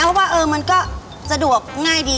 เพราะว่ามันก็สะดวกง่ายดี